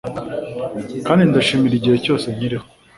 kandi ndashimira igihe cyose nkiriho